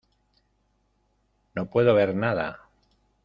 No puedo ver nada.